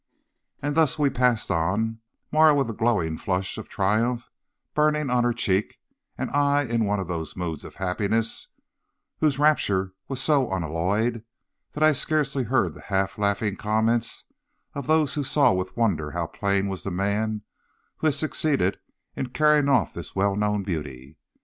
"And thus we passed on, Marah with a glowing flush of triumph burning on her cheek and I in one of those moods of happiness whose rapture was so unalloyed that I scarcely heard the half laughing comments of those who saw with wonder how plain was the man who had succeeded in carrying off this well known beauty.